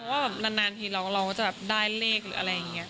ว่าแบบนานทีเราก็จะได้เลขหรืออะไรอย่างนี้